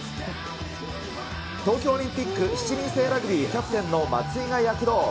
東京オリンピック７人制ラグビー、キャプテンの松井が躍動。